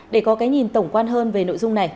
để có cái nhìn tổng quan hơn về nội dung này